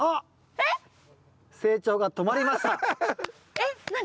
スイカの成長が止まりました。